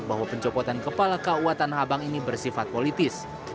bahwa pencopotan kepala kauatan habang ini bersifat politis